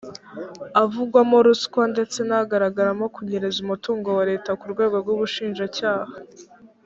avugwamo ruswa ndetse n agaragaramo kunyereza umutungo wa leta ku rwego rw ubushinjacyaha